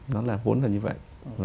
nó là vốn là như vậy